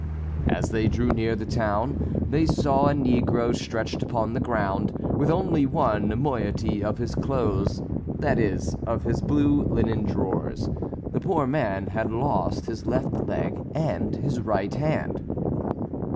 As they drew near the town, they saw a negro stretched upon the ground, with only one moiety of his clothes, that is, of his blue linen drawers; the poor man had lost his left leg and his right hand.